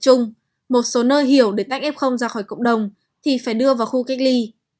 chung một số nơi hiểu để tách f ra khỏi cộng đồng thì phải đưa vào khu cách ly